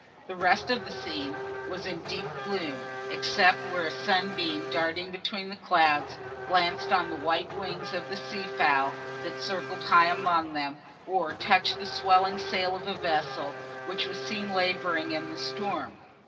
The rest of the scene was in deep gloom, except where a sunbeam, darting between the clouds, glanced on the white wings of the sea fowl, that circled high among them, or touched the swelling sail of a vessel, which was seen labouring in the storm.